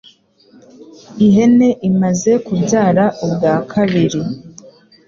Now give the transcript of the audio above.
Ihene imaze kubyara ubwa kabiri